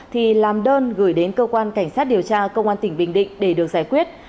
thì làm đơn gửi đến cơ quan cảnh sát điều tra công an tỉnh bình định để được giải quyết